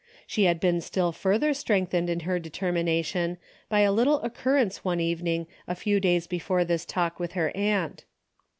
She had been still further strength ened in her determination by a little occur rence one evening a few days before this talk with her aunt.